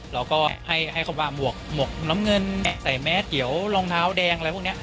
เราก็ให้เขาว่าหมวกน้ำเงินใส่แม้เตี๋ยวรองเท้าแดงอะไรพวกนี้